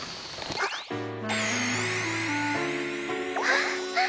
あっ！